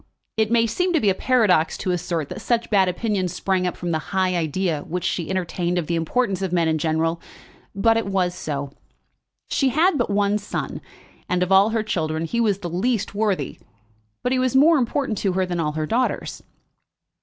It may seem to be a paradox to assert that such bad opinion sprung from the high idea which she entertained of the importance of men in general; but it was so. She had but one son, and of all her children he was the least worthy; but he was more important to her than all her daughters.